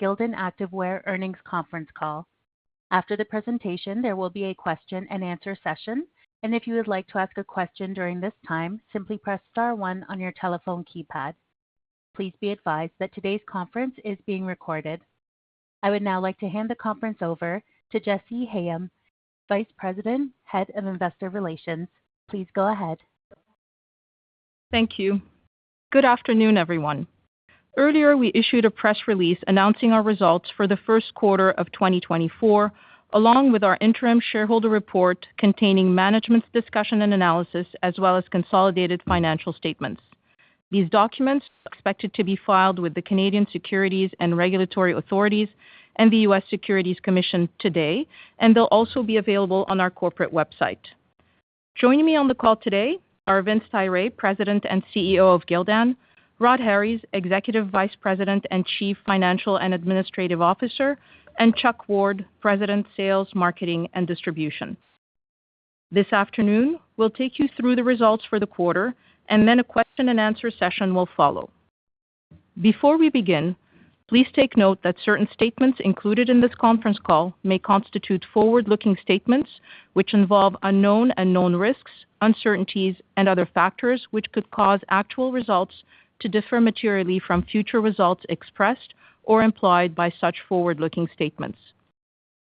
Gildan Activewear Earnings Conference Call. After the presentation, there will be a question-and-answer session, and if you would like to ask a question during this time, simply press star one on your telephone keypad. Please be advised that today's conference is being recorded. I would now like to hand the conference over to Jessy Hayem, Vice President, Head of Investor Relations. Please go ahead. Thank you. Good afternoon, everyone. Earlier, we issued a press release announcing our results for the first quarter of 2024, along with our interim shareholder report containing management's discussion and analysis, as well as consolidated financial statements. These documents are expected to be filed with the Canadian Securities and Regulatory Authorities and the U.S. Securities and Exchange Commission today, and they'll also be available on our corporate website. Joining me on the call today are Vince Tyra, President and CEO of Gildan, Rod Harries, Executive Vice President and Chief Financial and Administrative Officer, and Chuck Ward, President, Sales, Marketing, and Distribution. This afternoon, we'll take you through the results for the quarter, and then a Q&A session will follow. Before we begin, please take note that certain statements included in this conference call may constitute forward-looking statements, which involve unknown and known risks, uncertainties, and other factors, which could cause actual results to differ materially from future results expressed or implied by such forward-looking statements.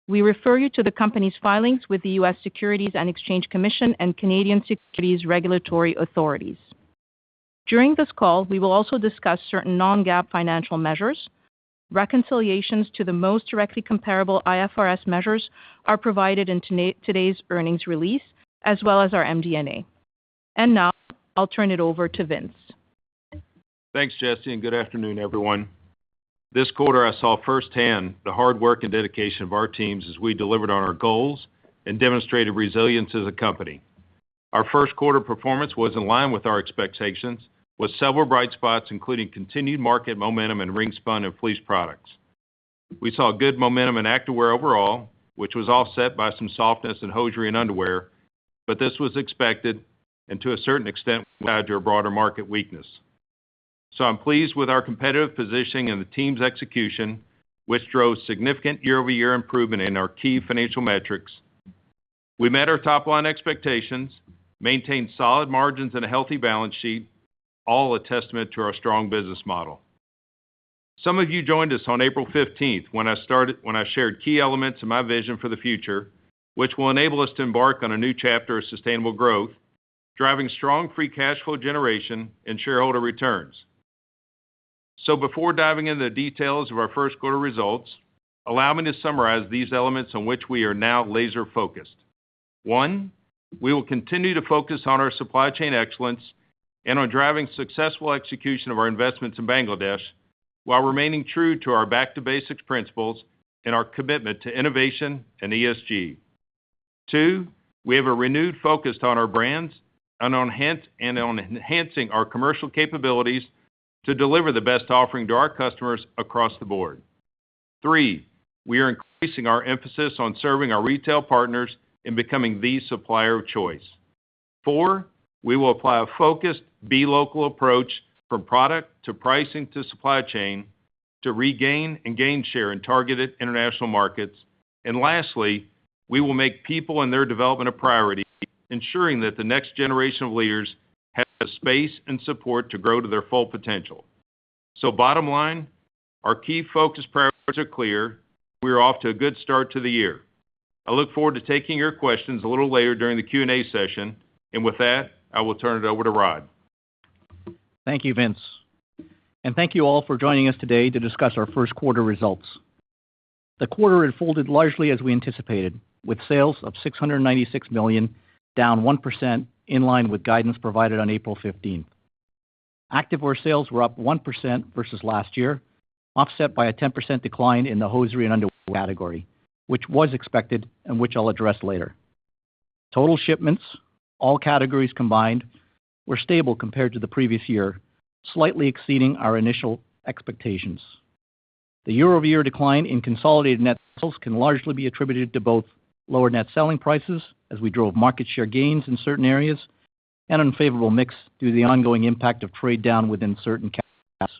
We refer you to the company's filings with the U.S. Securities and Exchange Commission and Canadian Securities Regulatory Authorities. During this call, we will also discuss certain non-GAAP financial measures. Reconciliations to the most directly comparable IFRS measures are provided in today's earnings release, as well as our MD&A. And now, I'll turn it over to Vince. Thanks, Jessy, and good afternoon, everyone. This quarter, I saw firsthand the hard work and dedication of our teams as we delivered on our goals and demonstrated resilience as a company. Our first quarter performance was in line with our expectations, with several bright spots, including continued market momentum in ring-spun and fleece products. We saw good momentum in activewear overall, which was offset by some softness in hosiery and underwear, but this was expected and to a certain extent, we add to a broader market weakness. So I'm pleased with our competitive positioning and the team's execution, which drove significant year-over-year improvement in our key financial metrics. We met our top line expectations, maintained solid margins and a healthy balance sheet, all a testament to our strong business model. Some of you joined us on April 15th, when I shared key elements of my vision for the future, which will enable us to embark on a new chapter of sustainable growth, driving strong free cash flow generation and shareholder returns. So before diving into the details of our first quarter results, allow me to summarize these elements on which we are now laser-focused. One, we will continue to focus on our supply chain excellence and on driving successful execution of our investments in Bangladesh, while remaining true to our Back to Basics principles and our commitment to innovation and ESG. Two, we have a renewed focus on our brands and on enhancing our commercial capabilities to deliver the best offering to our customers across the board. Three, we are increasing our emphasis on serving our retail partners and becoming the supplier of choice. Four, we will apply a focused Be Local approach from product to pricing to supply chain to regain and gain share in targeted international markets. And lastly, we will make people and their development a priority, ensuring that the next generation of leaders have the space and support to grow to their full potential. So bottom line, our key focus priorities are clear; we are off to a good start to the year. I look forward to taking your questions a little later during the Q&A session. With that, I will turn it over to Rod Harries. Thank you, Vince, and thank you all for joining us today to discuss our first quarter results. The quarter had folded largely as we anticipated, with sales of $696 million, down 1%, in line with guidance provided on April 15th. Activewear sales were up 1% versus last year, offset by a 10% decline in the hosiery and underwear category, which was expected and which I'll address later. Total shipments, all categories combined, were stable compared to the previous year, slightly exceeding our initial expectations. The year-over-year decline in consolidated net sales can largely be attributed to both lower net selling prices as we drove market share gains in certain areas and unfavorable mix due to the ongoing impact of trade down within certain categories.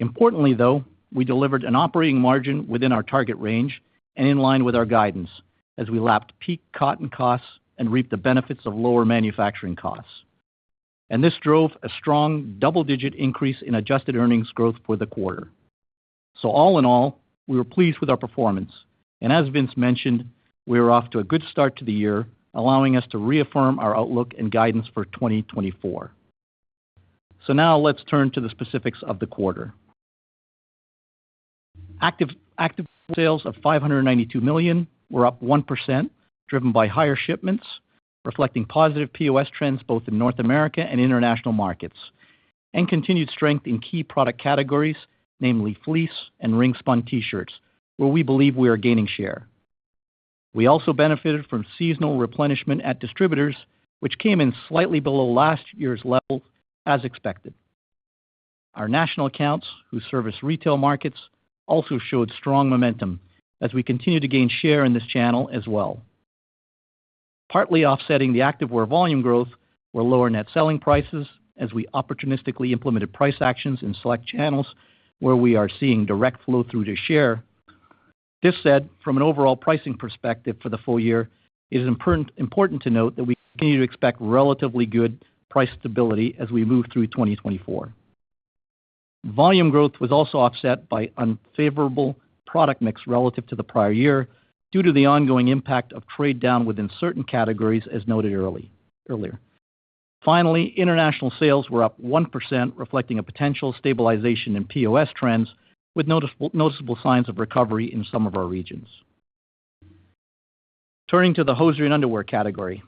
Importantly, though, we delivered an operating margin within our target range and in line with our guidance as we lapped peak cotton costs and reaped the benefits of lower manufacturing costs. This drove a strong double-digit increase in adjusted earnings growth for the quarter. So all in all, we were pleased with our performance. As Vince mentioned, we are off to a good start to the year, allowing us to reaffirm our outlook and guidance for 2024. Now let's turn to the specifics of the quarter. Activewear sales of $592 million were up 1%, driven by higher shipments, reflecting positive POS trends both in North America and international markets, and continued strength in key product categories, namely fleece and ring-spun T-shirts, where we believe we are gaining share. We also benefited from seasonal replenishment at distributors, which came in slightly below last year's level, as expected. Our national accounts, who service retail markets, also showed strong momentum as we continue to gain share in this channel as well. Partly offsetting the activewear volume growth were lower net selling prices as we opportunistically implemented price actions in select channels where we are seeing direct flow through to share. This said, from an overall pricing perspective for the full year, it is important, important to note that we continue to expect relatively good price stability as we move through 2024. Volume growth was also offset by unfavorable product mix relative to the prior year, due to the ongoing impact of trade down within certain categories, as noted early-- earlier. Finally, international sales were up 1%, reflecting a potential stabilization in POS trends, with noticeable signs of recovery in some of our regions. Turning to the hosiery and underwear category.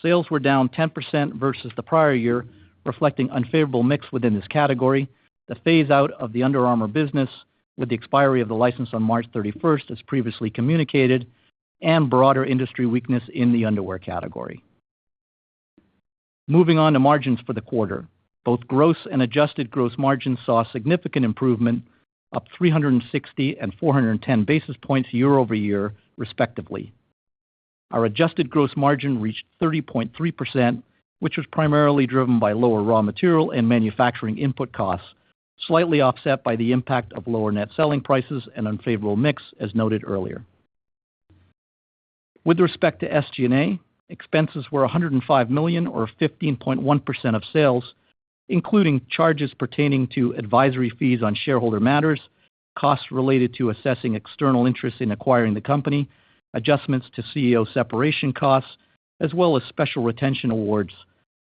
Sales were down 10% versus the prior year, reflecting unfavorable mix within this category, the phaseout of the Under Armour business with the expiry of the license on March 31, as previously communicated, and broader industry weakness in the underwear category. Moving on to margins for the quarter. Both gross and adjusted gross margin saw significant improvement, up 360 and 410 basis points year-over-year, respectively. Our adjusted gross margin reached 30.3%, which was primarily driven by lower raw material and manufacturing input costs, slightly offset by the impact of lower net selling prices and unfavorable mix, as noted earlier. With respect to SG&A, expenses were $105 million, or 15.1% of sales, including charges pertaining to advisory fees on shareholder matters, costs related to assessing external interest in acquiring the company, adjustments to CEO separation costs, as well as special retention awards,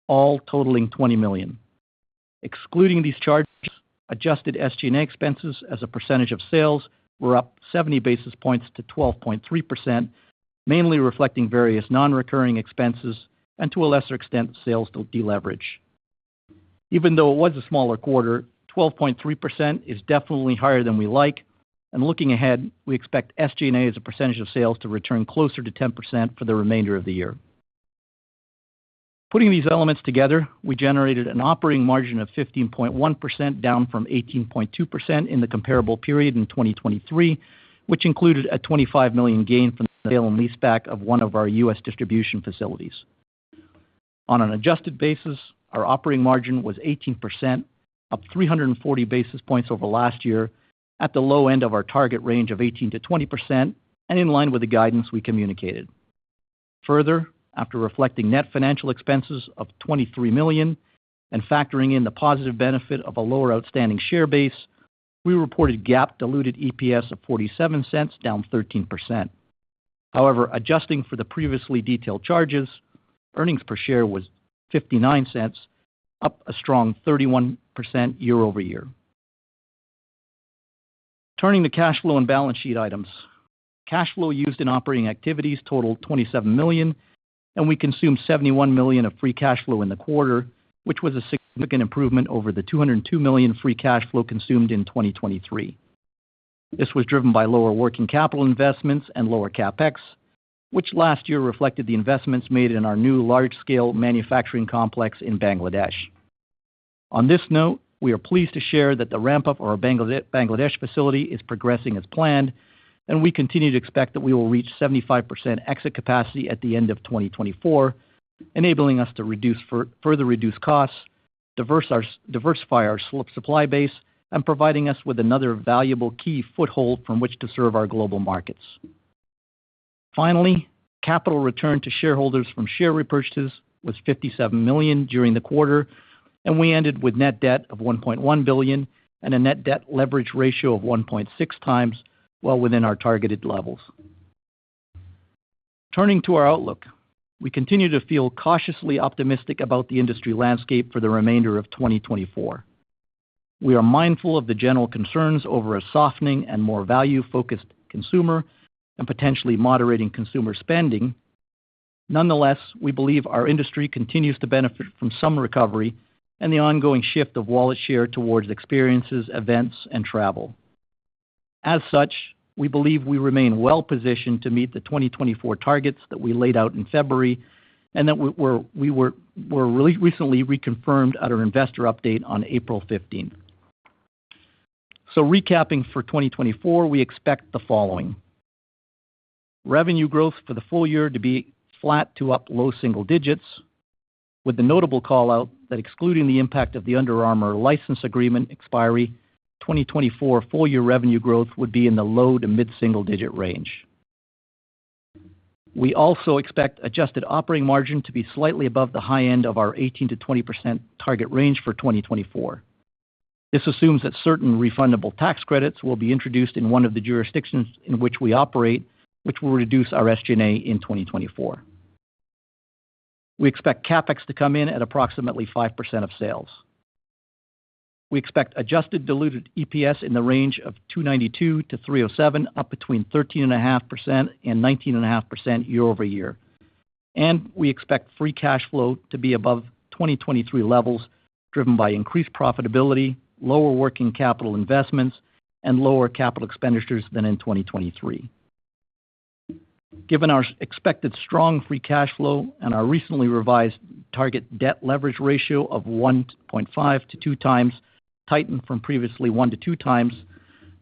all totaling $20 million. Excluding these charges, adjusted SG&A expenses as a percentage of sales were up 70 basis points to 12.3%, mainly reflecting various non-recurring expenses and to a lesser extent, sales deleverage. Even though it was a smaller quarter, 12.3% is definitely higher than we like, and looking ahead, we expect SG&A as a percentage of sales to return closer to 10% for the remainder of the year. Putting these elements together, we generated an operating margin of 15.1%, down from 18.2% in the comparable period in 2023, which included a $25 million gain from the sale and leaseback of one of our U.S. distribution facilities. On an adjusted basis, our operating margin was 18%, up 340 basis points over last year, at the low end of our target range of 18%-20%, and in line with the guidance we communicated. Further, after reflecting net financial expenses of $23 million and factoring in the positive benefit of a lower outstanding share base, we reported GAAP diluted EPS of $0.47, down 13%. However, adjusting for the previously detailed charges, earnings per share was $0.59, up a strong 31% year-over-year. Turning to cash flow and balance sheet items. Cash flow used in operating activities totaled $27 million, and we consumed $71 million of free cash flow in the quarter, which was a significant improvement over the $202 million free cash flow consumed in 2023. This was driven by lower working capital investments and lower CapEx, which last year reflected the investments made in our new large-scale manufacturing complex in Bangladesh. On this note, we are pleased to share that the ramp-up of our Bangladesh facility is progressing as planned, and we continue to expect that we will reach 75% exit capacity at the end of 2024, enabling us to further reduce costs, diversify our supply base, and providing us with another valuable key foothold from which to serve our global markets. Finally, capital return to shareholders from share repurchases was $57 million during the quarter, and we ended with net debt of $1.1 billion and a net debt leverage ratio of 1.6 times, well within our targeted levels. Turning to our outlook. We continue to feel cautiously optimistic about the industry landscape for the remainder of 2024. We are mindful of the general concerns over a softening and more value-focused consumer and potentially moderating consumer spending. Nonetheless, we believe our industry continues to benefit from some recovery and the ongoing shift of wallet share towards experiences, events, and travel. As such, we believe we remain well positioned to meet the 2024 targets that we laid out in February and that we were recently reconfirmed at our investor update on April 15. So recapping for 2024, we expect the following: revenue growth for the full year to be flat to up low single-digits, with the notable call-out that excluding the impact of the Under Armour license agreement expiry, 2024 full year revenue growth would be in the low to mid-single-digit range. We also expect adjusted operating margin to be slightly above the high end of our 18%-20% target range for 2024. This assumes that certain refundable tax credits will be introduced in one of the jurisdictions in which we operate, which will reduce our SG&A in 2024. We expect CapEx to come in at approximately 5% of sales. We expect adjusted diluted EPS in the range of $2.92-$3.07, up 13.5%-19.5% year-over-year. We expect free cash flow to be above 2023 levels, driven by increased profitability, lower working capital investments, and lower capital expenditures than in 2023. Given our expected strong free cash flow and our recently revised target debt leverage ratio of 1.5x-2x, tightened from previously 1x-2x.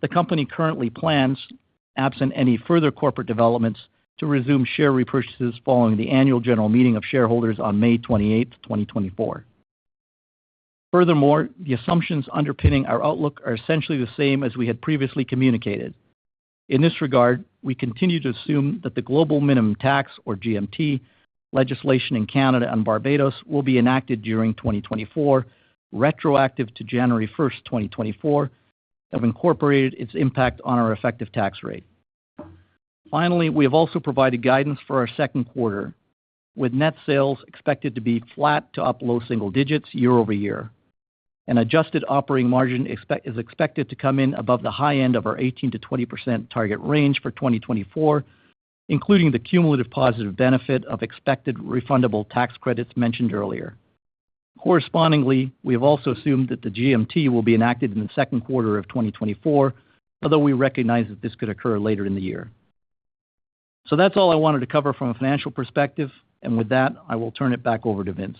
The company currently plans, absent any further corporate developments, to resume share repurchases following the annual general meeting of shareholders on May 28, 2024. Furthermore, the assumptions underpinning our outlook are essentially the same as we had previously communicated. In this regard, we continue to assume that the global minimum tax, or GMT, legislation in Canada and Barbados will be enacted during 2024, retroactive to January 1, 2024, have incorporated its impact on our effective tax rate. Finally, we have also provided guidance for our second quarter, with net sales expected to be flat to up low single-digits year-over-year. An adjusted operating margin is expected to come in above the high end of our 18%-20% target range for 2024, including the cumulative positive benefit of expected refundable tax credits mentioned earlier. Correspondingly, we have also assumed that the GMT will be enacted in the second quarter of 2024, although we recognize that this could occur later in the year. So that's all I wanted to cover from a financial perspective, and with that, I will turn it back over to Vince.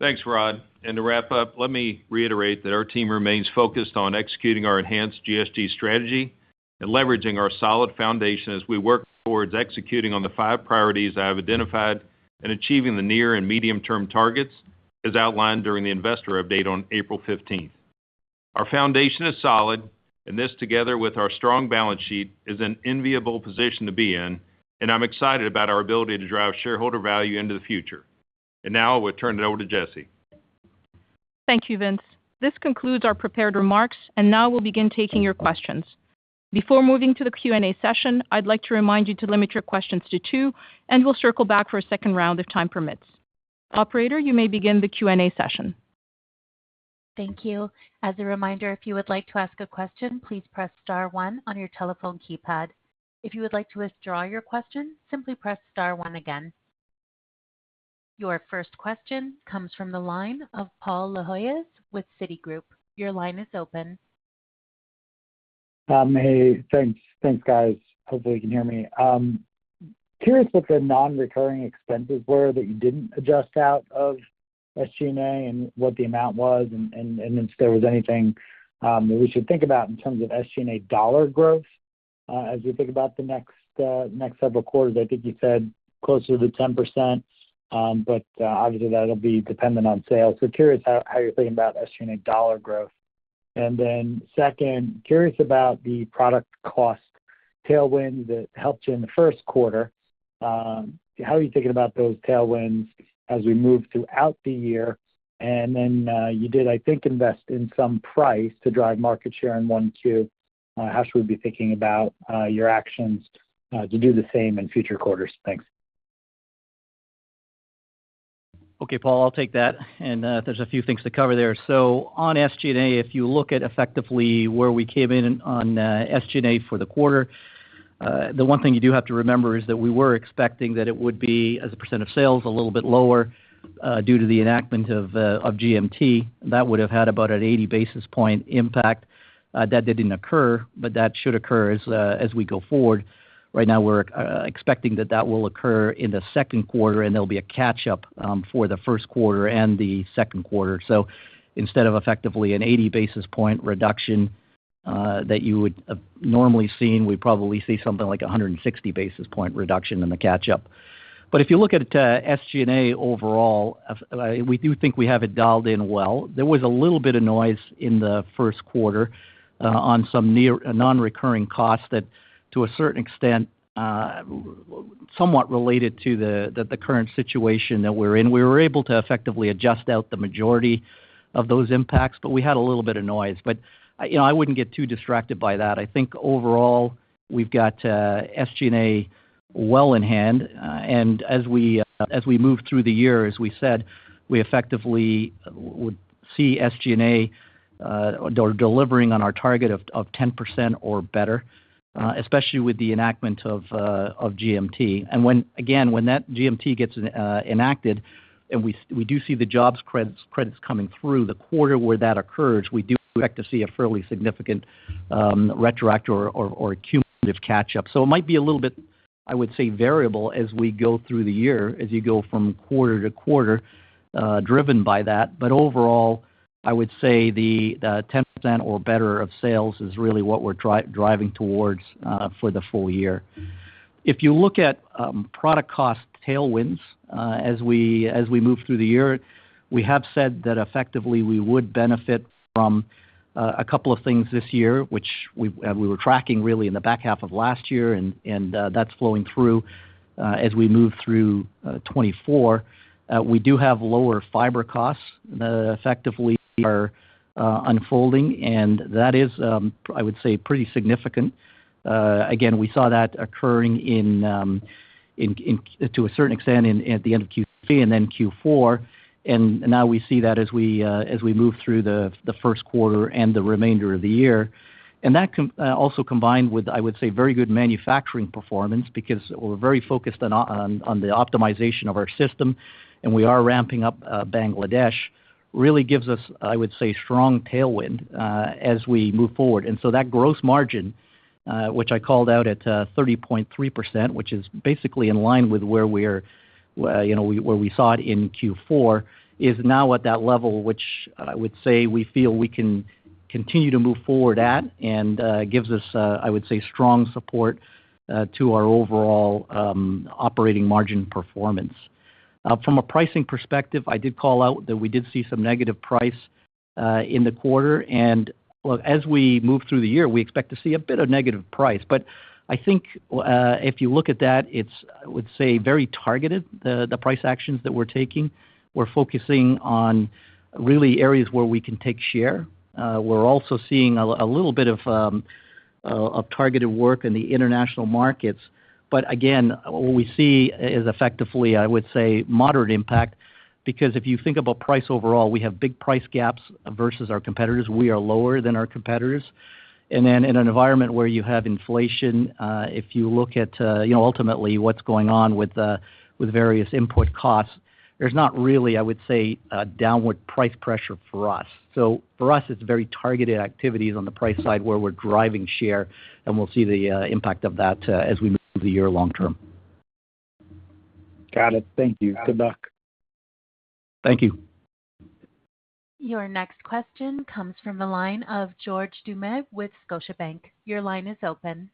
Thanks, Rod. To wrap up, let me reiterate that our team remains focused on executing our enhanced GSG strategy and leveraging our solid foundation as we work towards executing on the five priorities I have identified, and achieving the near and medium-term targets, as outlined during the investor update on April fifteenth. Our foundation is solid, and this, together with our strong balance sheet, is an enviable position to be in, and I'm excited about our ability to drive shareholder value into the future. Now I will turn it over to Jessy. Thank you, Vince. This concludes our prepared remarks, and now we'll begin taking your questions. Before moving to the Q&A session, I'd like to remind you to limit your questions to two, and we'll circle back for a second round if time permits. Operator, you may begin the Q&A session. Thank you. As a reminder, if you would like to ask a question, please press star one on your telephone keypad. If you would like to withdraw your question, simply press star one again. Your first question comes from the line of Paul Lejuez with Citigroup. Your line is open. Hey, thanks. Thanks, guys. Hopefully, you can hear me. Curious what the non-recurring expenses were that you didn't adjust out of SG&A and what the amount was, and, and, and if there was anything, that we should think about in terms of SG&A dollar growth, as we think about the next, next several quarters. I think you said closer to 10%, but, obviously that'll be dependent on sales. So curious how, how you're thinking about SG&A dollar growth. And then second, curious about the product cost tailwind that helped you in the first quarter. How are you thinking about those tailwinds as we move throughout the year? And then, you did, I think, invest in some price to drive market share in one, two. How should we be thinking about your actions to do the same in future quarters? Thanks. Okay, Paul, I'll take that, and, there's a few things to cover there. So on SG&A, if you look at effectively where we came in on, SG&A for the quarter, the one thing you do have to remember is that we were expecting that it would be, as a percent of sales, a little bit lower, due to the enactment of, of GMT. That would have had about an 80 basis point impact. That didn't occur, but that should occur as, as we go forward. Right now, we're, expecting that that will occur in the second quarter, and there'll be a catch-up, for the first quarter and the second quarter. So instead of effectively an 80 basis point reduction, that you would have normally seen, we probably see something like a 160 basis point reduction in the catch-up. But if you look at SG&A overall, we do think we have it dialed in well. There was a little bit of noise in the first quarter on some non-recurring costs that, to a certain extent, somewhat related to the current situation that we're in. We were able to effectively adjust out the majority of those impacts, but we had a little bit of noise. But, you know, I wouldn't get too distracted by that. I think overall, we've got SG&A well in hand. And as we move through the year, as we said, we effectively would see SG&A delivering on our target of 10% or better, especially with the enactment of GMT. When, again, when that GMT gets enacted and we do see the jobs credits coming through, the quarter where that occurs, we do expect to see a fairly significant retroactive or cumulative catch-up. So it might be a little bit, I would say, variable as we go through the year, as you go from quarter to quarter, driven by that. But overall, I would say the 10% or better of sales is really what we're driving towards for the full year. If you look at product cost tailwinds as we move through the year, we have said that effectively we would benefit from a couple of things this year, which we were tracking really in the back half of last year, and that's flowing through as we move through 2024. We do have lower fiber costs that effectively are unfolding, and that is, I would say, pretty significant. Again, we saw that occurring to a certain extent at the end of Q3 and then Q4. And now we see that as we move through the first quarter and the remainder of the year. And that also combined with, I would say, very good manufacturing performance, because we're very focused on the optimization of our system, and we are ramping up Bangladesh really gives us, I would say, strong tailwind as we move forward. And so that gross margin, which I called out at 30.3%, which is basically in line with where we are, you know, where we saw it in Q4, is now at that level, which I would say we feel we can continue to move forward at, and gives us, I would say, strong support to our overall operating margin performance. From a pricing perspective, I did call out that we did see some negative price in the quarter. Well, as we move through the year, we expect to see a bit of negative price. But I think, if you look at that, it's, I would say, very targeted, the price actions that we're taking. We're focusing on really areas where we can take share. We're also seeing a little bit of targeted work in the international markets. But again, what we see is effectively, I would say, moderate impact, because if you think about price overall, we have big price gaps versus our competitors. We are lower than our competitors. And then in an environment where you have inflation, if you look at, you know, ultimately what's going on with the, with various input costs, there's not really, I would say, a downward price pressure for us. So for us, it's very targeted activities on the price side, where we're driving share, and we'll see the impact of that as we move through the year long term. Got it. Thank you. Good luck. Thank you. Your next question comes from the line of George Doumet with Scotiabank. Your line is open.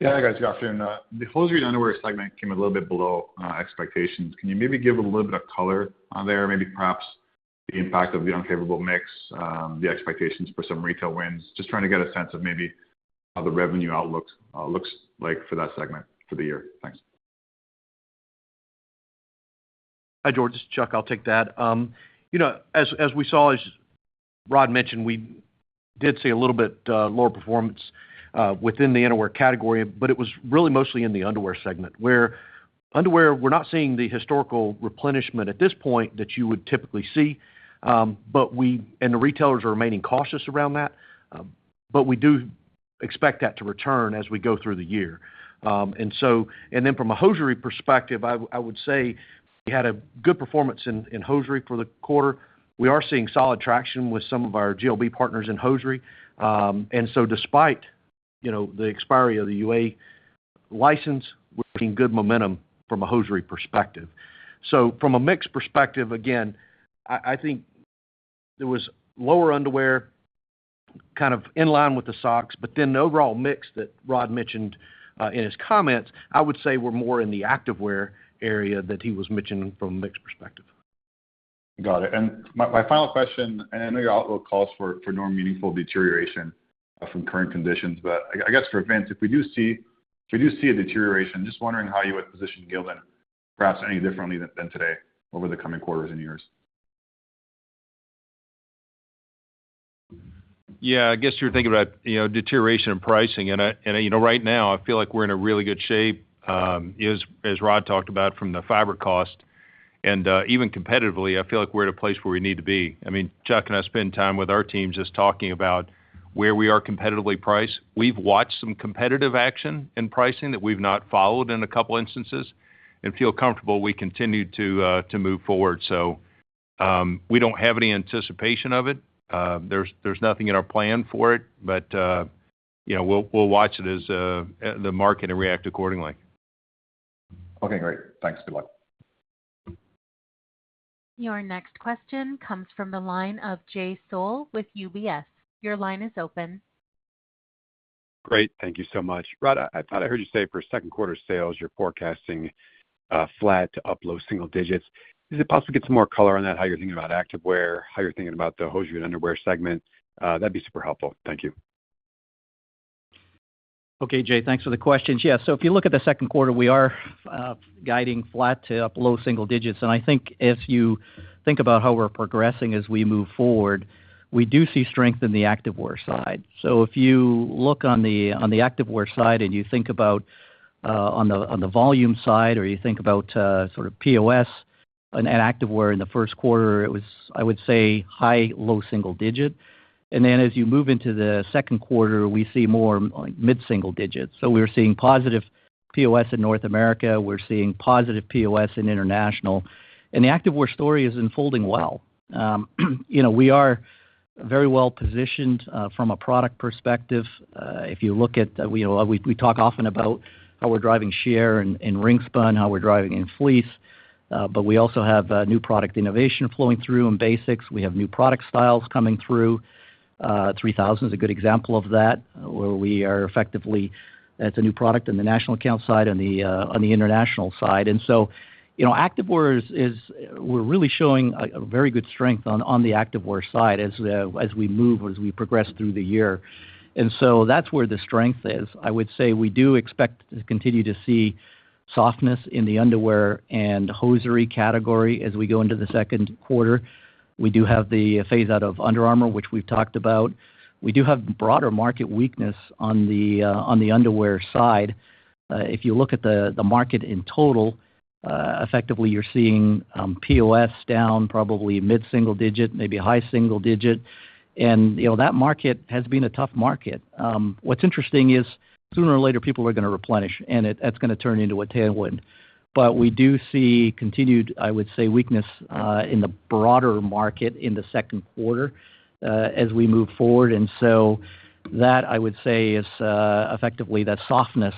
Yeah, hi, guys. Good afternoon. The hosiery and underwear segment came a little bit below expectations. Can you maybe give a little bit of color on there? Maybe perhaps the impact of the unfavorable mix, the expectations for some retail wins. Just trying to get a sense of maybe how the revenue outlook looks like for that segment for the year. Thanks. Hi, George, this is Chuck. I'll take that. You know, as we saw, as Rod mentioned, we did see a little bit lower performance within the innerwear category, but it was really mostly in the underwear segment, where underwear, we're not seeing the historical replenishment at this point that you would typically see. But we-- and the retailers are remaining cautious around that, but we do expect that to return as we go through the year. And so-- and then from a hosiery perspective, I would say we had a good performance in hosiery for the quarter. We are seeing solid traction with some of our GLB partners in hosiery. And so, despite, you know, the expiry of the UA license, we're seeing good momentum from a hosiery perspective. So from a mix perspective, again, I think there was lower underwear, kind of in line with the socks, but then the overall mix that Rod mentioned in his comments, I would say we're more in the activewear area that he was mentioning from a mix perspective. Got it. And my final question, and I know your outlook calls for no meaningful deterioration from current conditions, but I guess for events, if we do see a deterioration, just wondering how you would position Gildan, perhaps any differently than today, over the coming quarters and years? Yeah, I guess you're thinking about, you know, deterioration in pricing, and I, you know, right now I feel like we're in a really good shape, as Rod talked about from the fiber cost. And even competitively, I feel like we're at a place where we need to be. I mean, Chuck and I spend time with our teams just talking about where we are competitively priced. We've watched some competitive action in pricing that we've not followed in a couple instances and feel comfortable we continue to move forward. So, we don't have any anticipation of it. There's nothing in our plan for it, but, you know, we'll watch it as the market and react accordingly. Okay, great. Thanks. Good luck. Your next question comes from the line of Jay Sole with UBS. Your line is open. Great. Thank you so much. Rod, I thought I heard you say for second quarter sales, you're forecasting flat to up low single-digits. Is it possible to get some more color on that, how you're thinking about activewear, how you're thinking about the hosiery and underwear segment? That'd be super helpful. Thank you. Okay, Jay, thanks for the questions. Yeah, so if you look at the second quarter, we are guiding flat to up low single-digits. And I think if you think about how we're progressing as we move forward, we do see strength in the activewear side. So if you look on the activewear side, and you think about on the volume side, or you think about sort of POS and activewear in the first quarter, it was, I would say, high low single-digit. And then as you move into the second quarter, we see more mid-single-digits. So we're seeing positive POS in North America, we're seeing positive POS in international. And the activewear story is unfolding well. You know, we are very well positioned from a product perspective. If you look at, we talk often about how we're driving share in ring-spun, how we're driving in fleece, but we also have new product innovation flowing through in basics. We have new product styles coming through. 3000 is a good example of that, where we are effectively... It's a new product in the national account side, on the international side. And so, you know, activewear is. We're really showing a very good strength on the activewear side as we move, as we progress through the year. And so that's where the strength is. I would say we do expect to continue to see softness in the underwear and hosiery category as we go into the second quarter. We do have the phase-out of Under Armour, which we've talked about. We do have broader market weakness on the underwear side. If you look at the market in total, effectively, you're seeing POS down probably mid-single-digit, maybe high single-digit, and, you know, that market has been a tough market. What's interesting is, sooner or later, people are gonna replenish, and it, that's gonna turn into a tailwind, but we do see continued, I would say, weakness in the broader market in the second quarter, as we move forward. And so that, I would say, is effectively that softness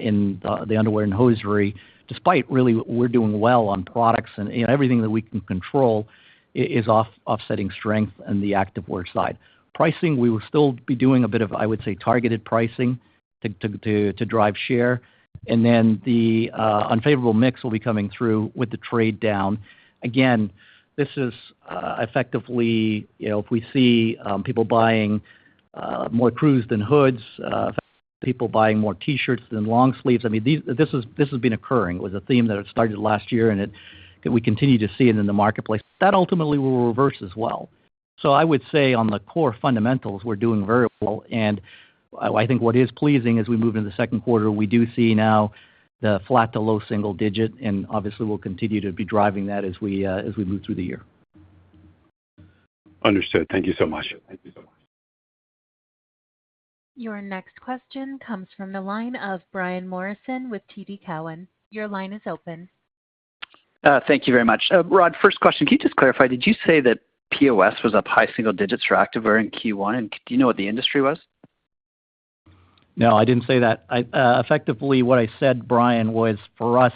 in the underwear and hosiery, despite really we're doing well on products and, you know, everything that we can control is offsetting strength on the activewear side. Pricing, we will still be doing a bit of, I would say, targeted pricing to drive share, and then the unfavorable mix will be coming through with the trade down. Again, this is effectively, you know, if we see people buying more crews than hoods, people buying more T-shirts than long sleeves, I mean, these, this is, this has been occurring. It was a theme that had started last year, and it, and we continue to see it in the marketplace. That ultimately will reverse as well. So I would say on the core fundamentals, we're doing very well, and I think what is pleasing as we move into the second quarter, we do see now the flat to low single-digit, and obviously, we'll continue to be driving that as we move through the year. Understood. Thank you so much. Your next question comes from the line of Brian Morrison with TD Cowen. Your line is open. Thank you very much. Rod, first question, can you just clarify, did you say that POS was up high single-digits for activewear in Q1, and do you know what the industry was? No, I didn't say that. I effectively, what I said, Brian, was for us,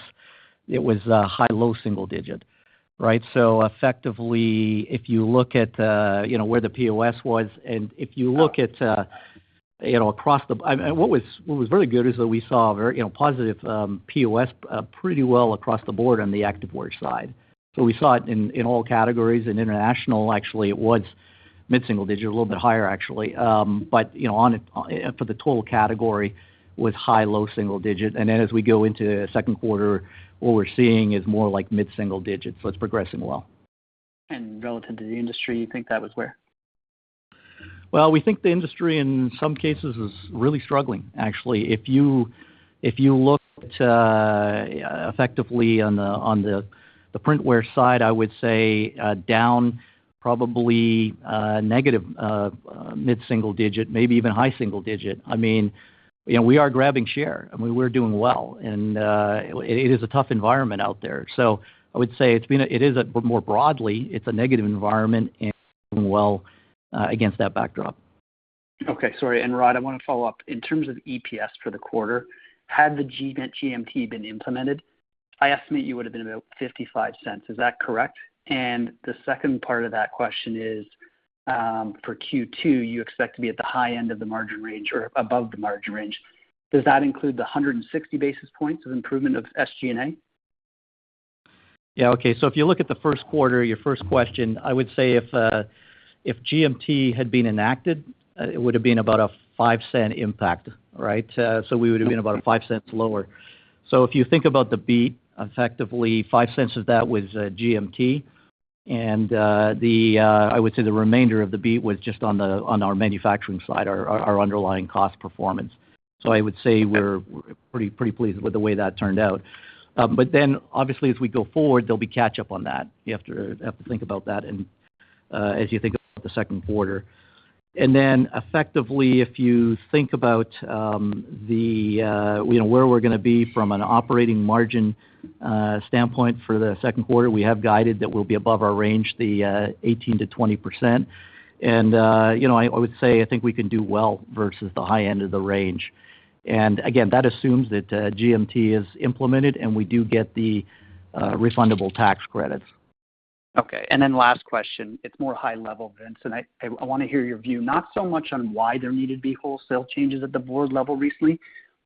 it was high- to low-single-digit, right? So effectively, if you look at, you know, where the POS was, and if you look at, you know, across the board and what was really good is that we saw a very, you know, positive POS pretty well across the board on the activewear side. So, we saw it in all categories, in international, actually, it mid-single-digit, a little bit higher, actually. But, you know, on it, for the total category was high- to low-single-digit. And then as we go into the second quarter, what we're seeing is more mid-single-digits, so it's progressing well. Relative to the industry, you think that was where? Well, we think the industry in some cases is really struggling, actually. If you look to effectively on the Printwear side, I would say down probably negative mid-single-digit, maybe even high single-digit. I mean, you know, we are grabbing share, and we're doing well, and it is a tough environment out there. So I would say it's been a, it is a, but more broadly, it's a negative environment and doing well against that backdrop. Okay, sorry. Rod, I want to follow up. In terms of EPS for the quarter, had the GMT been implemented, I estimate you would've been about $0.55. Is that correct? And the second part of that question is, for Q2, you expect to be at the high end of the margin range or above the margin range. Does that include the 160 basis points of improvement of SG&A? Yeah, okay. So if you look at the first quarter, your first question, I would say if, if GMT had been enacted, it would have been about a $0.05 impact, right? So we would have been about $0.05 lower. So if you think about the beat, effectively, $0.05 of that was GMT. And, the, I would say the remainder of the beat was just on the, on our manufacturing side, our, our underlying cost performance. So I would say we're pretty, pretty pleased with the way that turned out. But then, obviously, as we go forward, there'll be catch up on that. You have to, have to think about that and, as you think about the second quarter. And then, effectively, if you think about, the, you know, where we're gonna be from an operating margin, standpoint for the second quarter, we have guided that we'll be above our range, the, 18%-20%. And, you know, I, I would say, I think we can do well versus the high end of the range. And again, that assumes that, GMT is implemented, and we do get the, refundable tax credits. Okay, and then last question. It's more high level, Vince, and I, I wanna hear your view, not so much on why there needed to be wholesale changes at the board level recently,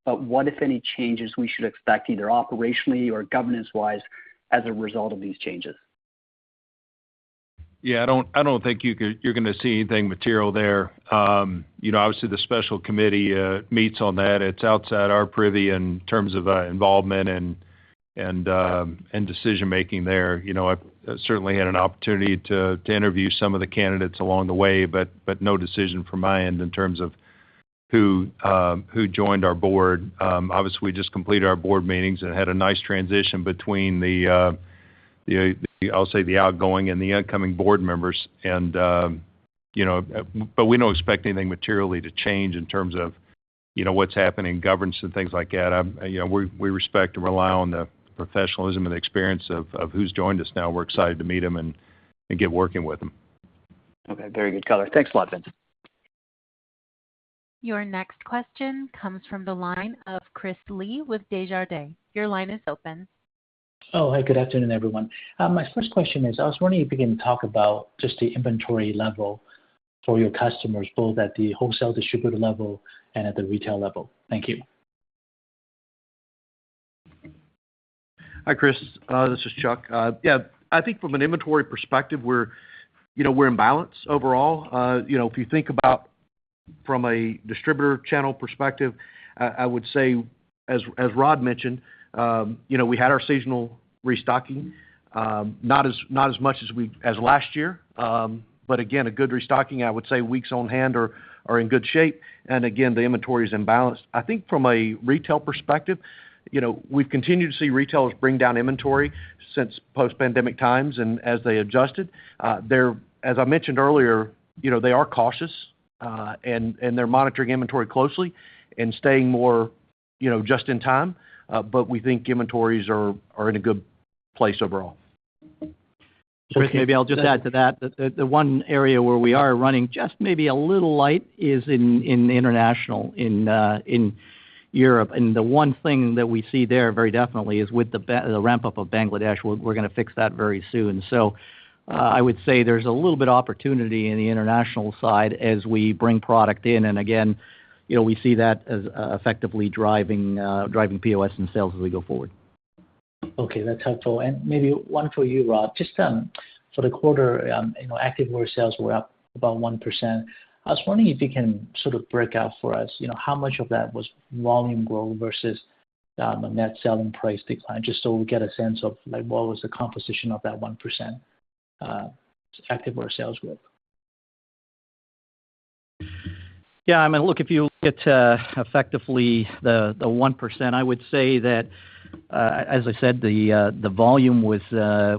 but what, if any, changes we should expect, either operationally or governance-wise, as a result of these changes? Yeah, I don't think you could. You're gonna see anything material there. You know, obviously, the special committee meets on that. It's outside our purview in terms of involvement and decision-making there. You know, I've certainly had an opportunity to interview some of the candidates along the way, but no decision from my end in terms of who joined our board. Obviously, we just completed our board meetings and had a nice transition between the, I'll say, the outgoing and the incoming board members. You know, but we don't expect anything materially to change in terms of, you know, what's happening in governance and things like that. You know, we respect and rely on the professionalism and experience of who's joined us now. We're excited to meet them and get working with them. Okay, very good color. Thanks a lot, Vince. Your next question comes from the line of Chris Li with Desjardins. Your line is open. Oh, hey, good afternoon, everyone. My first question is, I was wondering if you can talk about just the inventory level for your customers, both at the wholesale distributor level and at the retail level. Thank you. Hi, Chris. This is Chuck. Yeah, I think from an inventory perspective, we're, you know, we're in balance overall. You know, if you think about from a distributor channel perspective, I would say as, as Rod mentioned, you know, we had our seasonal restocking, not as, not as much as we as last year, but again, a good restocking. I would say weeks on hand are, are in good shape, and again, the inventory is in balance. I think from a retail perspective, you know, we've continued to see retailers bring down inventory since post-pandemic times and as they adjusted. They're as I mentioned earlier, you know, they are cautious, and, and they're monitoring inventory closely and staying more, you know, just in time, but we think inventories are, are in a good place overall. Chris, maybe I'll just add to that, that the one area where we are running just maybe a little light is in the international, in Europe. And the one thing that we see there very definitely is with the ramp up of Bangladesh, we're gonna fix that very soon. So, I would say there's a little bit opportunity in the international side as we bring product in. And again, you know, we see that as effectively driving POS and sales as we go forward. Okay, that's helpful. And maybe one for you, Rod. Just for the quarter, you know, Activewear sales were up about 1%. I was wondering if you can sort of break out for us, you know, how much of that was volume growth versus a net selling price decline, just so we get a sense of like what was the composition of that 1%, Activewear sales growth? Yeah, I mean, look, if you look at effectively the 1%, I would say that, as I said, the volume was,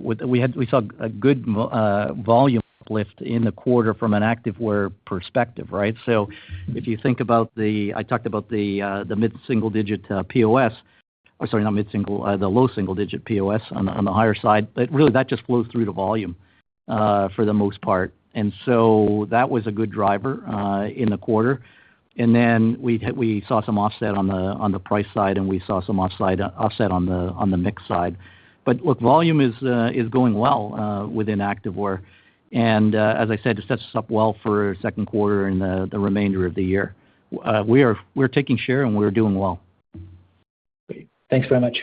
we saw a good volume lift in the quarter from an activewear perspective, right? So, if you think about the... I talked about the mid-single-digit POS, or sorry, not mid-single, the low single-digit POS on the higher side. But really, that just flows through to volume, for the most part. And then we saw some offset on the price side, and we saw some offset on the mix side. But look, volume is going well within activewear. As I said, it sets us up well for second quarter and the remainder of the year. We're taking share, and we're doing well. Great. Thanks very much.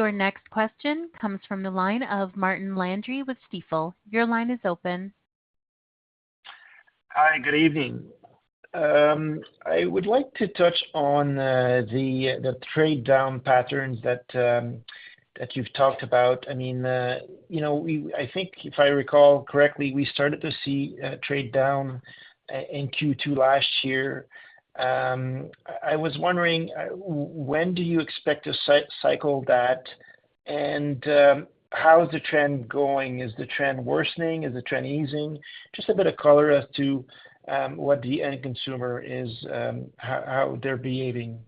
Your next question comes from the line of Martin Landry with Stifel. Your line is open. Hi, good evening. I would like to touch on the trade down patterns that you've talked about. I mean, you know, I think if I recall correctly, we started to see trade down in Q2 last year. I was wondering when do you expect to cycle that, and how is the trend going? Is the trend worsening? Is the trend easing? Just a bit of color as to what the end consumer is, how they're behaving.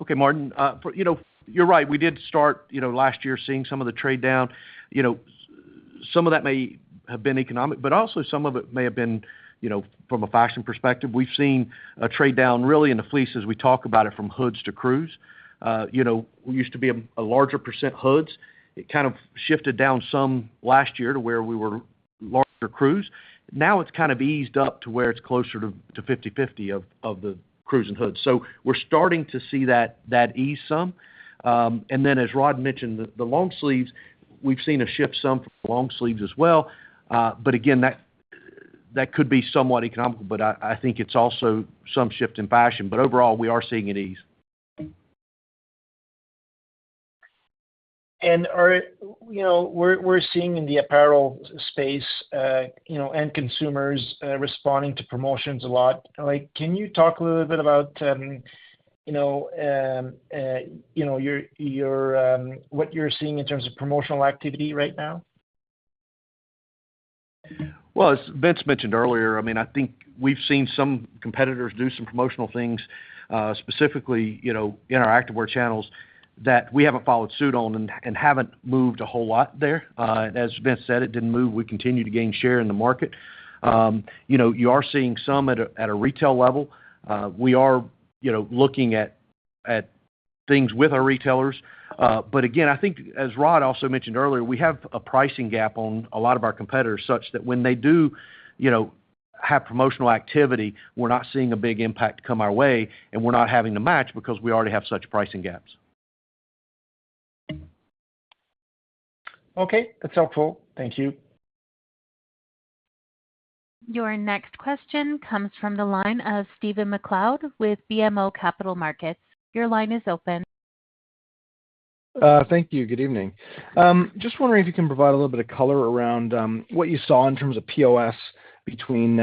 Okay, Martin. You know, you're right. We did start, you know, last year, seeing some of the trade down. You know, some of that may have been economic, but also some of it may have been, you know, from a fashion perspective. We've seen a trade down really in the fleece as we talk about it, from hoods to crews. You know, we used to be a larger percent hoods. It kind of shifted down some last year to where we were larger crews. Now, it's kind of eased up to where it's closer to 50/50 of the crews and hoods. So we're starting to see that ease some. And then, as Rod mentioned, the long sleeves, we've seen a shift some from long sleeves as well. But again, that could be somewhat economical, but I think it's also some shift in fashion. But overall, we are seeing it ease. You know, we're seeing in the apparel space, you know, end consumers responding to promotions a lot. Like, can you talk a little bit about, you know, what you're seeing in terms of promotional activity right now? Well, as Vince mentioned earlier, I mean, I think we've seen some competitors do some promotional things, specifically, you know, in our activewear channels, that we haven't followed suit on and haven't moved a whole lot there. As Vince said, it didn't move. We continue to gain share in the market. You know, you are seeing some at a retail level. We are, you know, looking at things with our retailers. But again, I think, as Rod also mentioned earlier, we have a pricing gap on a lot of our competitors, such that when they do, you know, have promotional activity, we're not seeing a big impact come our way, and we're not having to match because we already have such pricing gaps. Okay, that's helpful. Thank you. Your next question comes from the line of Stephen MacLeod with BMO Capital Markets. Your line is open. Thank you. Good evening. Just wondering if you can provide a little bit of color around what you saw in terms of POS between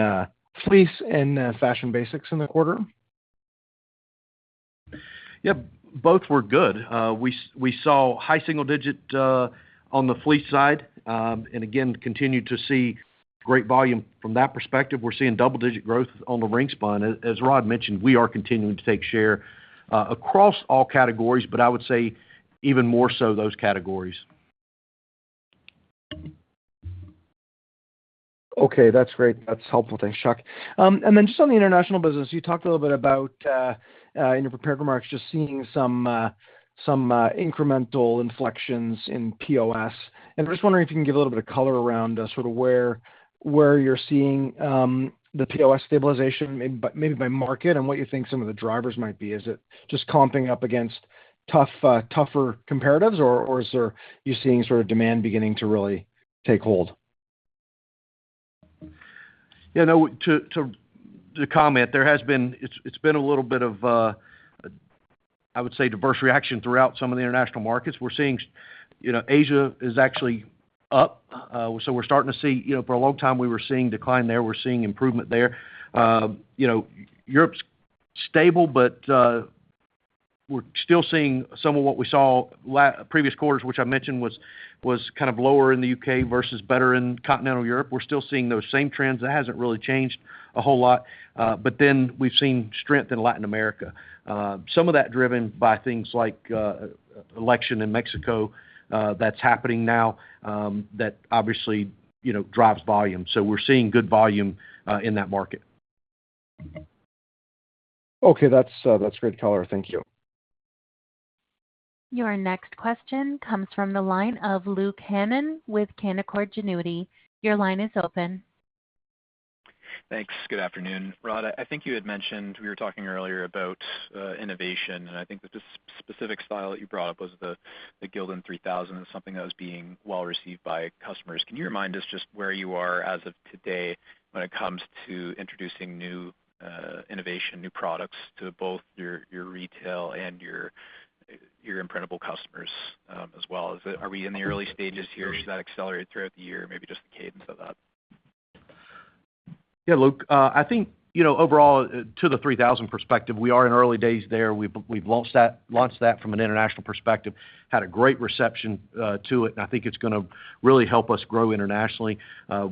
fleece and fashion basics in the quarter? Yeah, both were good. We saw high single-digit on the fleece side, and again, continued to see great volume from that perspective. We're seeing double-digit growth on the ring-spun. As Rod mentioned, we are continuing to take share across all categories, but I would say even more so, those categories. Okay, that's great. That's helpful. Thanks, Chuck. And then just on the international business, you talked a little bit about in your prepared remarks, just seeing some incremental inflections in POS. And I'm just wondering if you can give a little bit of color around sort of where you're seeing the POS stabilization, maybe by market, and what you think some of the drivers might be. Is it just comping up against tough tougher comparatives, or is there you're seeing sort of demand beginning to really take hold? Yeah, no, to comment, there has been. It's been a little bit of, I would say, diverse reaction throughout some of the international markets. We're seeing, you know, Asia is actually up. So we're starting to see. You know, for a long time, we were seeing decline there. We're seeing improvement there. You know, Europe's stable, but we're still seeing some of what we saw last previous quarters, which I mentioned was kind of lower in the U.K. versus better in continental Europe. We're still seeing those same trends. That hasn't really changed a whole lot, but then we've seen strength in Latin America. Some of that driven by things like, election in Mexico, that's happening now, that obviously, you know, drives volume. So we're seeing good volume in that market. Okay, that's great color. Thank you. Your next question comes from the line of Luke Hannan with Canaccord Genuity. Your line is open. Thanks. Good afternoon. Rod, I think you had mentioned we were talking earlier about innovation, and I think the specific style that you brought up was the Gildan 3000, and something that was being well received by customers. Can you remind us just where you are as of today when it comes to introducing new innovation, new products to both your retail and your imprintable customers, as well? Are we in the early stages here? Should that accelerate throughout the year? Maybe just the cadence of that. Yeah, Luke, I think, you know, overall, to the 3000 perspective, we are in early days there. We've, we've launched that, launched that from an international perspective, had a great reception to it, and I think it's gonna really help us grow internationally.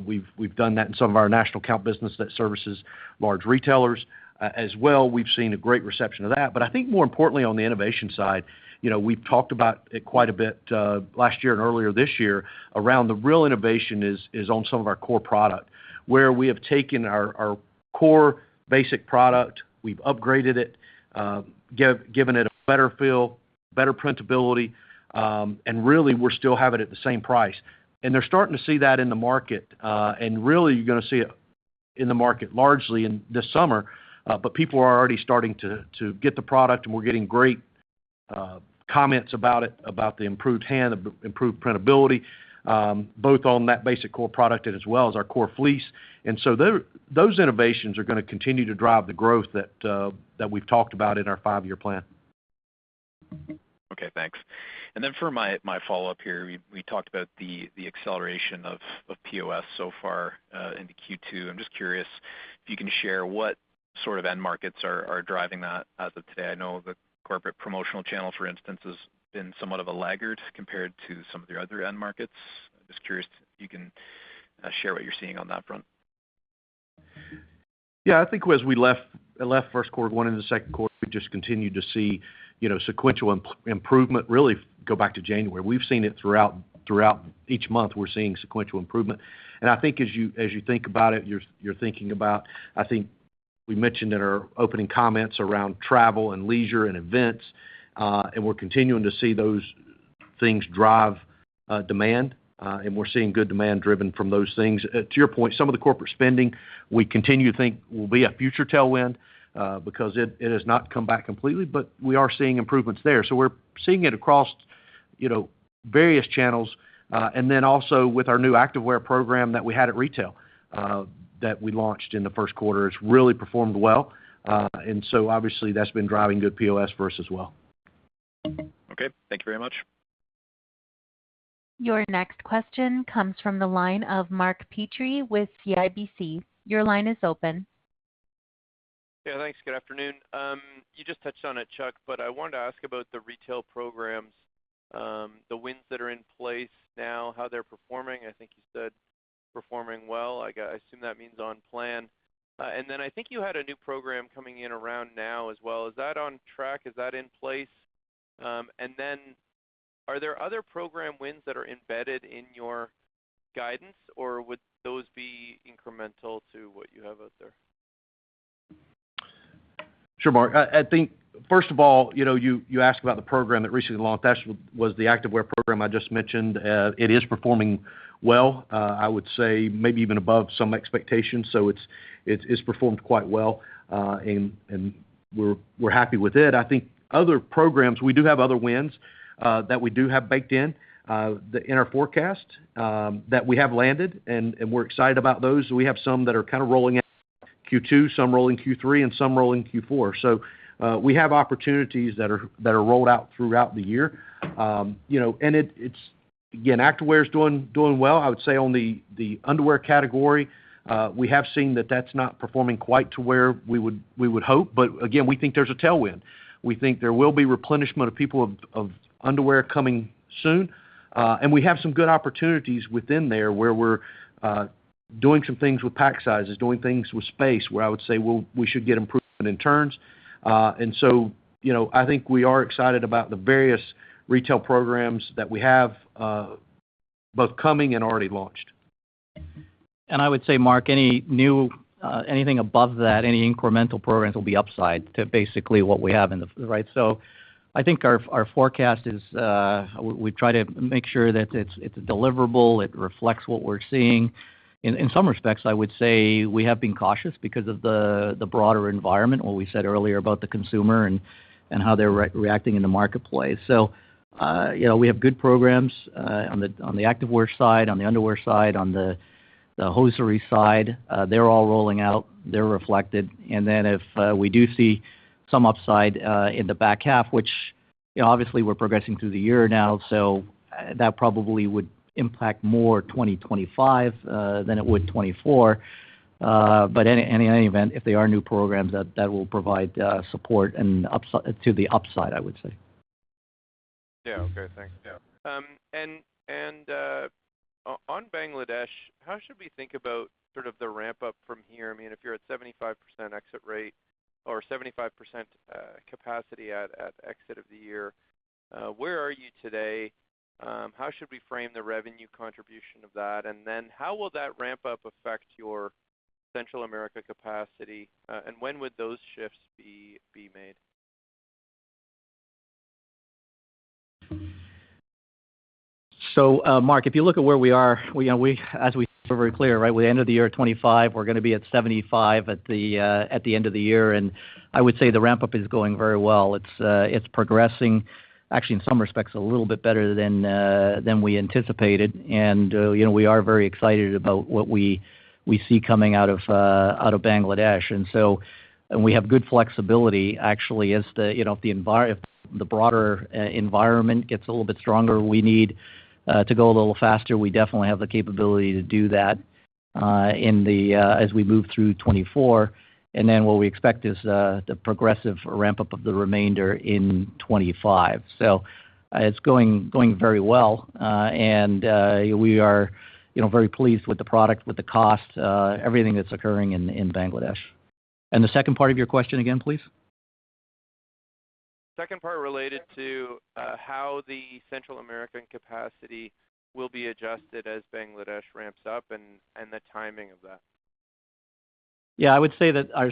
We've, we've done that in some of our national account business that services large retailers. As well, we've seen a great reception to that. But I think more importantly, on the innovation side, you know, we've talked about it quite a bit, last year and earlier this year, around the real innovation is on some of our core product. Where we have taken our core basic product, we've upgraded it, given it a better feel, better printability, and really, we still have it at the same price. They're starting to see that in the market, and really, you're gonna see it in the market largely in this summer. But people are already starting to get the product, and we're getting great comments about it, about the improved hand, the improved printability, both on that basic core product and as well as our core fleece. And so those innovations are gonna continue to drive the growth that we've talked about in our five-year plan. Okay, thanks. And then for my follow-up here, we talked about the acceleration of POS so far into Q2. I'm just curious if you can share what sort of end markets are driving that as of today. I know the corporate promotional channel, for instance, has been somewhat of a laggard compared to some of your other end markets. Just curious if you can share what you're seeing on that front. Yeah, I think as we left, I left first quarter, went into the second quarter, we just continued to see, you know, sequential improvement really go back to January. We've seen it throughout each month; we're seeing sequential improvement. And I think as you think about it, you're thinking about. I think we mentioned in our opening comments around travel and leisure and events, and we're continuing to see those things drive demand, and we're seeing good demand driven from those things. To your point, some of the corporate spending, we continue to think will be a future tailwind, because it has not come back completely, but we are seeing improvements there. So we're seeing it across, you know, various channels, and then also with our new activewear program that we had at retail, that we launched in the first quarter. It's really performed well, and so obviously that's been driving good POS for us as well. Okay, thank you very much. Your next question comes from the line of Mark Petrie with CIBC. Your line is open. Yeah, thanks. Good afternoon. You just touched on it, Chuck, but I wanted to ask about the retail programs, the wins that are in place now, how they're performing. I think you said performing well. I assume that means on plan. And then I think you had a new program coming in around now as well. Is that on track? Is that in place? And then are there other program wins that are embedded in your guidance, or would those be incremental to what you have out there? Sure, Mark. I think, first of all, you know, you asked about the program that recently launched. That was the activewear program I just mentioned. It is performing well. I would say maybe even above some expectations, so it's performed quite well, and we're happy with it. I think other programs, we do have other wins that we do have baked in in our forecast that we have landed, and we're excited about those. We have some that are kind of rolling out Q2, some rolling Q3, and some rolling Q4. So, we have opportunities that are rolled out throughout the year. You know, and it, it's, again, activewear is doing well. I would say on the underwear category, we have seen that that's not performing quite to where we would hope, but again, we think there's a tailwind. We think there will be replenishment of people's underwear coming soon, and we have some good opportunities within there, where we're doing some things with pack sizes, doing things with space, where I would say we should get improvement in turns. And so, you know, I think we are excited about the various retail programs that we have, both coming and already launched. And I would say, Mark, any new, anything above that, any incremental programs will be upside to basically what we have in the... Right? So I think our forecast is, we try to make sure that it's deliverable, it reflects what we're seeing. In some respects, I would say we have been cautious because of the broader environment, what we said earlier about the consumer and how they're reacting in the marketplace. So, you know, we have good programs on the activewear side, on the underwear side, on the hosiery side. They're all rolling out, they're reflected. And then if we do see some upside in the back half, which— Yeah, obviously, we're progressing through the year now, so that probably would impact more 2025 than it would 2024. But in any event, if they are new programs, that will provide support and upside to the upside, I would say. Yeah. Okay, thanks. Yeah. And on Bangladesh, how should we think about sort of the ramp-up from here? I mean, if you're at 75% exit rate or 75% capacity at exit of the year, where are you today? How should we frame the revenue contribution of that? And then how will that ramp up affect your Central America capacity, and when would those shifts be made? So, Mark, if you look at where we are, we are, as we were very clear, right? By the end of the year, 2025, we're gonna be at 75 at the end of the year. And I would say the ramp-up is going very well. It's progressing, actually, in some respects, a little bit better than we anticipated. And, you know, we are very excited about what we see coming out of Bangladesh. And so, we have good flexibility, actually, as you know, if the envi- if the broader environment gets a little bit stronger, we need to go a little faster. We definitely have the capability to do that, in, as we move through 2024. Then what we expect is the progressive ramp-up of the remainder in 2025. So it's going, going very well. We are, you know, very pleased with the product, with the cost, everything that's occurring in Bangladesh. And the second part of your question again, please? Second part related to how the Central American capacity will be adjusted as Bangladesh ramps up and the timing of that. Yeah, I would say that our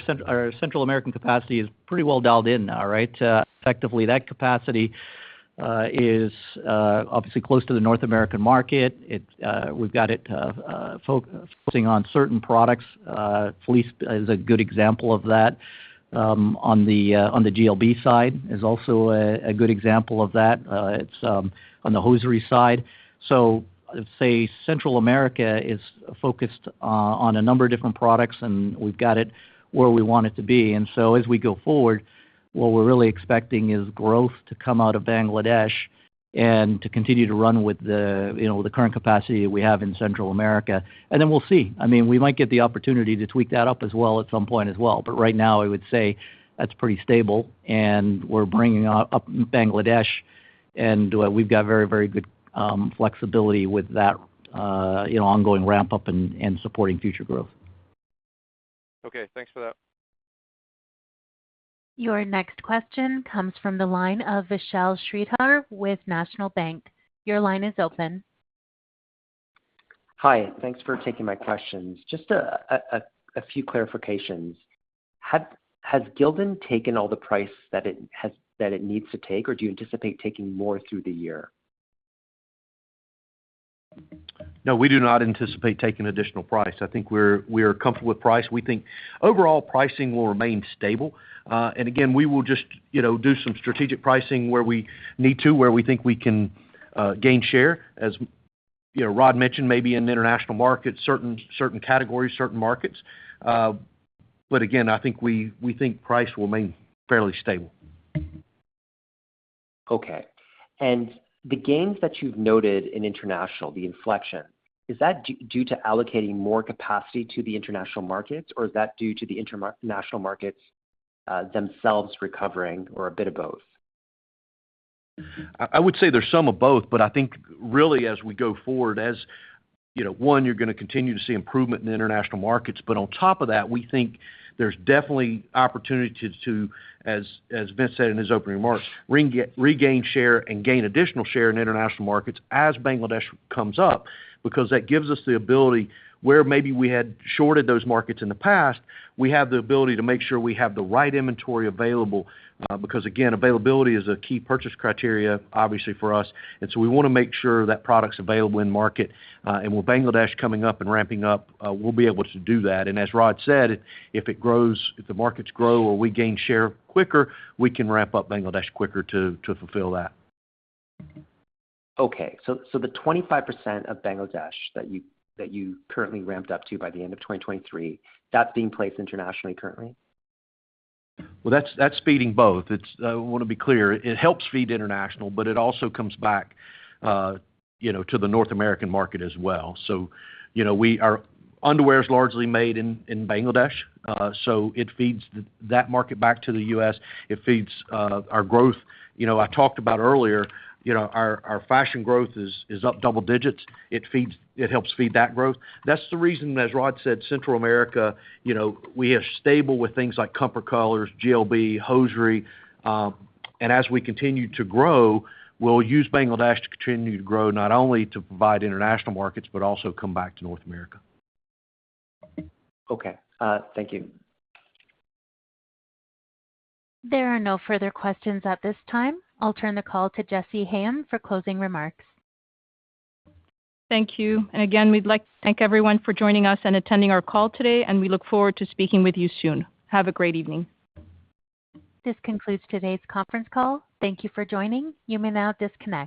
Central American capacity is pretty well dialed in now, right? Effectively, that capacity is obviously close to the North American market. It's, we've got it focusing on certain products. Fleece is a good example of that. On the GLB side is also a good example of that. It's on the hosiery side. So I'd say Central America is focused on a number of different products, and we've got it where we want it to be. And so as we go forward, what we're really expecting is growth to come out of Bangladesh and to continue to run with the, you know, the current capacity that we have in Central America. And then we'll see. I mean, we might get the opportunity to tweak that up as well at some point as well. But right now, I would say that's pretty stable, and we're bringing up Bangladesh, and we've got very, very good flexibility with that, you know, ongoing ramp-up and supporting future growth. Okay, thanks for that. Your next question comes from the line of Vishal Shreedhar with National Bank. Your line is open. Hi, thanks for taking my questions. Just a few clarifications. Has Gildan taken all the price that it has, that it needs to take, or do you anticipate taking more through the year? No, we do not anticipate taking additional price. I think we're comfortable with price. We think overall pricing will remain stable. And again, we will just, you know, do some strategic pricing where we need to, where we think we can gain share, as, you know, Rod mentioned, maybe in international markets, certain categories, certain markets. But again, I think we think price will remain fairly stable. Okay. The gains that you've noted in international, the inflection, is that due to allocating more capacity to the international markets, or is that due to the international markets themselves recovering, or a bit of both? I would say there's some of both, but I think really, as we go forward, as you know, you're gonna continue to see improvement in international markets. But on top of that, we think there's definitely opportunity to, as Vince said in his opening remarks, regain share and gain additional share in international markets as Bangladesh comes up, because that gives us the ability, where maybe we had shorted those markets in the past, we have the ability to make sure we have the right inventory available. Because, again, availability is a key purchase criterion, obviously, for us, and so we wanna make sure that product's available in market. And with Bangladesh coming up and ramping up, we'll be able to do that. As Rod said, if it grows, if the markets grow or we gain share quicker, we can ramp up Bangladesh quicker to fulfill that. Okay. So, the 25% of Bangladesh that you currently ramped up to by the end of 2023, that's being placed internationally currently? Well, that's feeding both. It's, I wanna be clear, it helps feed international, but it also comes back, you know, to the North American market as well. So, you know, we are. Underwear is largely made in Bangladesh, so it feeds that market back to the US. It feeds our growth. You know, I talked about earlier, you know, our fashion growth is up double digits. It helps feed that growth. That's the reason, as Rod said, Central America, you know, we are stable with things like Comfort Colors, GLB, hosiery, and as we continue to grow, we'll use Bangladesh to continue to grow, not only to provide international markets, but also come back to North America. Okay, thank you. There are no further questions at this time. I'll turn the call to Jessy Hayem for closing remarks. Thank you. And again, we'd like to thank everyone for joining us and attending our call today, and we look forward to speaking with you soon. Have a great evening. This concludes today's conference call. Thank you for joining. You may now disconnect.